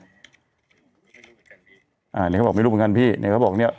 อันนี้เขาบอกไม่รู้เหมือนกันพี่เนี่ยเขาบอกเนี่ย